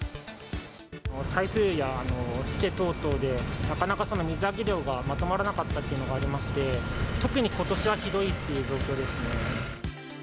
台風やしけ等々で、なかなか水揚げ量がまとまらなかったっていうのがありまして、特にことしはひどいっていう状況ですね。